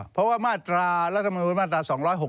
เพราะว่ามาตรารัฐมนุนมาตรา๒๖๖